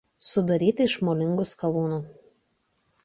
Sudaryti iš molingų skalūnų.